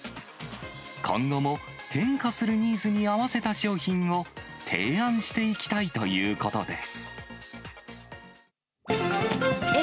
今後も変化するニーズに合わせた商品を提案していきたいということです。